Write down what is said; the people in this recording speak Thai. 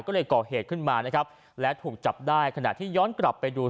ก็เลยก่อเหตุขึ้นมานะครับและถูกจับได้ขณะที่ย้อนกลับไปดู